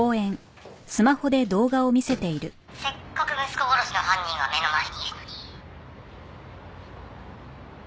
「せっかく息子殺しの犯人が目の前にいるのに」